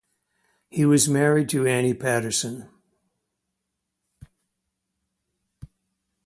He was married to Annie Patterson.